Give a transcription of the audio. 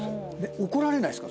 怒られないっすか？